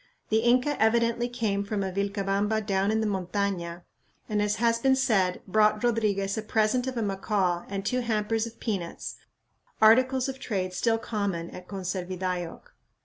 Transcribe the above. The Inca evidently came from a Vilcabamba down in the montaña, and, as has been said, brought Rodriguez a present of a macaw and two hampers of peanuts, articles of trade still common at Conservidayoc.